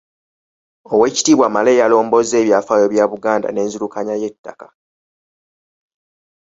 Oweekitiibwa Male yalombozze ebyafaayo bya Buganda n'enzirukanya y'ettaka.